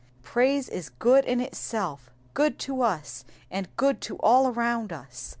Praise is good in itself, good to us, and good to all around us.